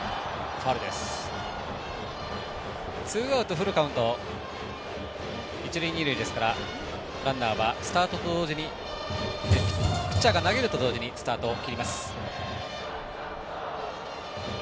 フルカウント一塁二塁ですからランナーはピッチャーが投げると同時にスタートを切ります。